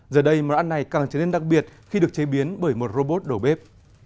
giờ đây món ăn này càng trở nên đặc biệt khi được chế biến bởi một robot đầu bếp